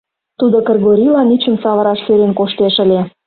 Тудо Кыргорийлан ӱчым савыраш сӧрен коштеш ыле.